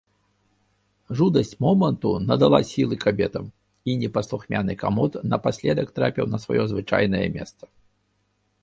Жудасць моманту надала сілы кабетам, і непаслухмяны камод напаследак трапіў на сваё звычайнае месца.